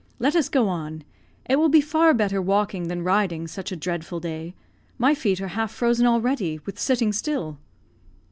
Let us go on; it will be far better walking than riding such a dreadful day. My feet are half frozen already with sitting still."